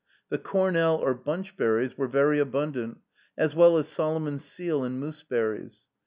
The cornel, or bunch berries, were very abundant, as well as Solomon's seal and moose berries.